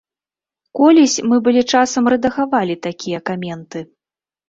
Колісь мы былі часам рэдагавалі такія каменты.